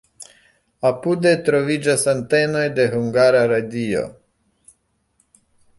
Apude troviĝas antenoj de Hungara Radio.